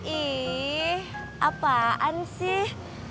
ih apaan sih